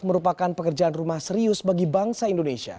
merupakan pekerjaan rumah serius bagi bangsa indonesia